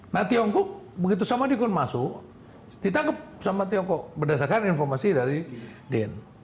nah tiongkok begitu sama dikun masuk ditangkap sama tiongkok berdasarkan informasi dari bin